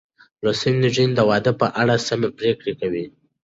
لوستې نجونې د واده په اړه سمه پرېکړه کوي.